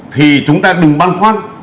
thì chúng ta đừng băn khoăn